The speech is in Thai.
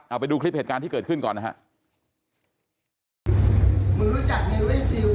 เอาไปดูคลิปเหตุการณ์ที่เกิดขึ้นก่อนนะฮะ